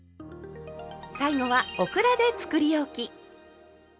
最後はオクラでつくりおき。